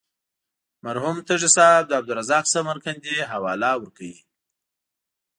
مرحوم تږی صاحب د عبدالرزاق سمرقندي حواله ورکوي.